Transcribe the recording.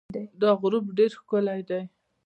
دا غروب ډېر ښکلی دی.